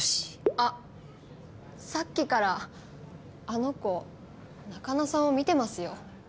あっさっきからあの子中野さんを見てますよ。